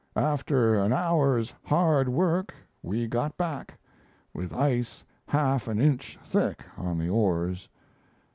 After an hour's hard work we got back, with ice half an inch thick on the oars.